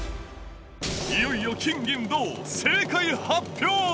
いよいよ金銀銅、正解発表。